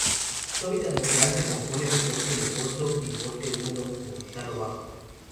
Su hábitat natural se compone de bosque nuboso y bosque húmedo montano bajo.